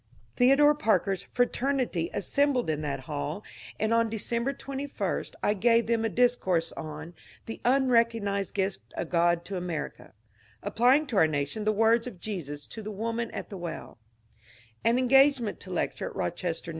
Theo dore Parker's ^^ Fraternity " assembled in that hall, and on December 21 1 gave them a discourse on ^^ The Unrecognized Gift of God to America," — applying to our nation the words of Jesus to the woman at the welL An engagement to lecture at Rochester, N.